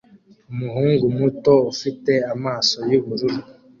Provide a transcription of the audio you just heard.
Umuhungu muto ufite amaso yubururu